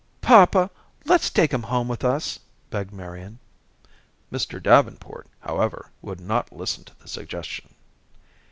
"Papa, let's take him home with us," begged Marian. Mr. Davenport, however, would not listen to the suggestion.